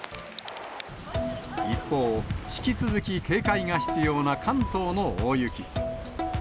一方、引き続き警戒が必要な関東の大雪。